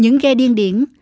những ghe điên điển